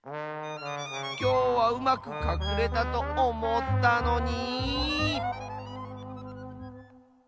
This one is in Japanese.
きょうはうまくかくれたとおもったのに。